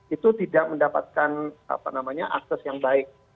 itu tidak mendapatkan akses yang baik